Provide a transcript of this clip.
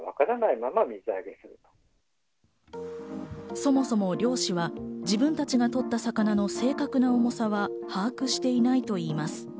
そもそも漁師は自分たちが取った魚の正確な重さは把握していないと言います。